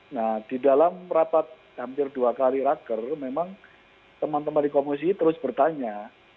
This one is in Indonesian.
nah di dalam rapat hampir dua kali raker memang teman teman di komisi terus bertanya